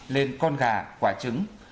lên con gà quả trứng